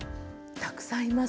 たくさんいます。